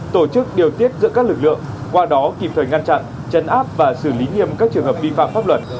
tổ chức điều tiết giữa các lực lượng qua đó kịp thời ngăn chặn chấn áp và xử lý nghiêm các trường hợp vi phạm pháp luật